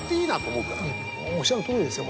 おっしゃるとおりです